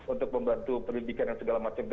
untuk membantu perlindungan dan segala macam itu